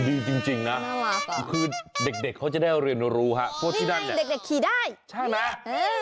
ดีจริงนะคือเด็กเขาจะได้เอาเรียนรู้ครับพวกที่นั่นเนี่ยใช่ไหม